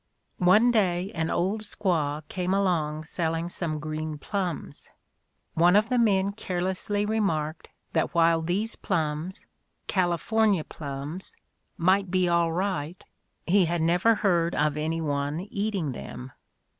One day an old squaw came along selling some green plums. One of the men care lessly remarked that while these plums, "California plums," might be all right he had never heard of any one eating them.